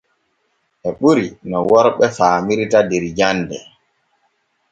E ɓuri no worɓe faamirta der jande.